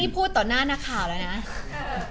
พูดต่อหน้านักข่าวแล้วนะ